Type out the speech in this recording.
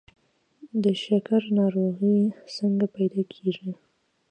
د شکر ناروغي څنګه پیدا کیږي؟